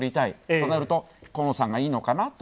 となると河野さんがいいのかなと。